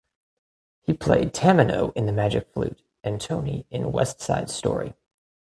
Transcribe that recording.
He played Tamino in "The Magic Flute" and Tony in "West Side Story".